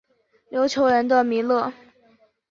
琉球人的弥勒。